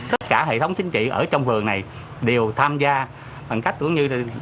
tất cả hệ thống chính trị ở trong phường này đều tham gia bằng cách cũng như là